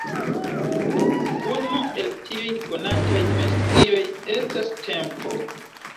Unu el tiuj konataj dimensioj estas tempo.